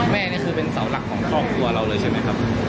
นี่คือเป็นเสาหลักของครอบครัวเราเลยใช่ไหมครับ